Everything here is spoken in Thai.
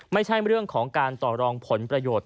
ไม่ใช่เรื่องของการต่อรองผลประโยชน์